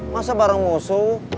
masa bareng musuh